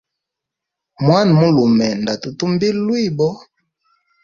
Mwana mulume nda tutumbila lwibo.